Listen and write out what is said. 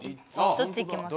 どっち行きますか？